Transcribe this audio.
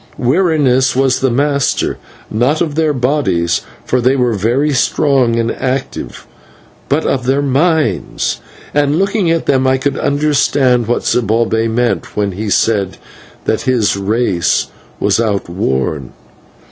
Weariness was the master, not of their bodies, for they were very strong and active, but of their minds; and, looking at them, I could understand what Zibalbay meant when he said that his race was outworn.